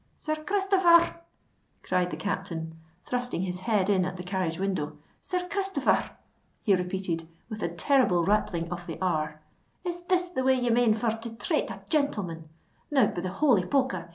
"Sir Christopher r r!" cried the captain, thrusting his head in at the carriage window: "Sir Christopher r r!" he repeated, with a terrible rattling of the r: "is this the way ye mane for to trate a gintleman? Now, be the holy poker!